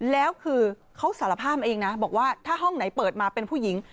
แล้วคือเขาสารภาพเองนะบอกว่าถ้าห้องไหนเปิดมาเป็นผู้หญิง